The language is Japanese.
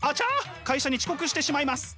会社に遅刻してしまいます。